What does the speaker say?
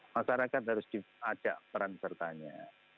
masyarakat harus diajak peran sertanya